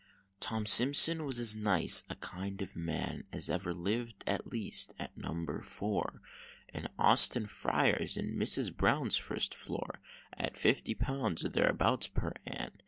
Tom Simpson was as nice a kind of man As ever lived at least at number Four, In Austin Friars, in Mrs. Brown's first floor, At fifty pounds, or thereabouts, per ann.